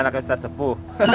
anaknya ustadz sepuh